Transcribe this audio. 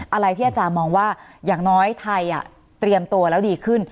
อะไรที่อาจารย์มองว่าอย่างน้อยไทยเตรียมตัวแล้วดีขึ้น